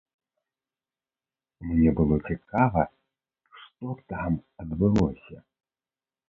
Мне было цікава, што там адбылося.